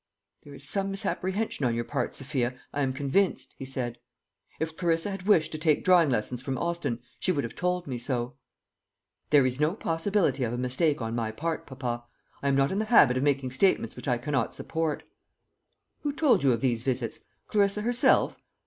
"There is some misapprehension on your part, Sophia, I am convinced," he said. "If Clarissa had wished to take drawing lessons from Austin, she would have told me so." "There is no possibility of a mistake on my part, papa. I am not in the habit of making statements which I cannot support." "Who told you of these visits? Clarissa herself?"